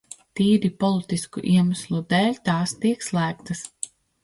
Tīri politisku iemeslu dēļ tās tiek slēgtas.